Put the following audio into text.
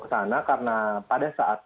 sana karena pada saat